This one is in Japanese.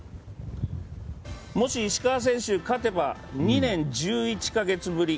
もし石川選手が勝てば２年１１か月ぶり。